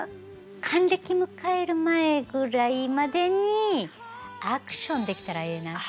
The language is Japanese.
還暦迎える前ぐらいまでにアクションできたらええなって。